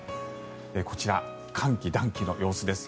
こちら、寒気・暖気の様子です。